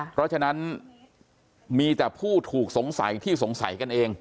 เพราะฉะนั้นมีแต่ผู้ถูกสงสัยที่สงสัยกันเอง